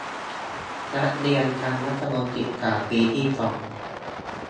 นักเรียนชั้นมัธยมศึกษาปีที่สอง